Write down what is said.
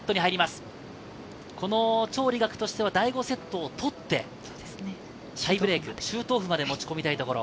チョウ・リガクとしては第５セットを取ってタイブレーク、シュートオフまで持ち込みたいところ。